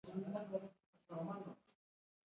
د پملا د خپرونو ساحه ډیره پراخه ده.